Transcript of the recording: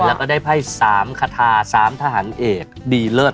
แล้วก็ได้ไห้สามขทาสามทหารเอกดีเลิศ